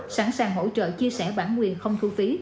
sẵn sàng hỗ trợ chia sẻ bản quyền không thu phí